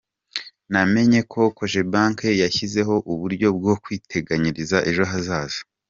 Namenye ko Cogebanque yashyizeho uburyo bwo kwiteganyiriza ejo hazaza.